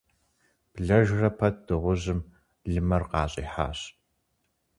Блэжрэ пэт дыгъужьым лымэр къащӏихьащ.